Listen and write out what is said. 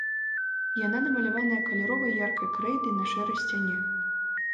Яна намаляваная каляровай яркай крэйдай на шэрай сцяне.